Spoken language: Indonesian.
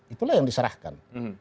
itulah yang diserahkan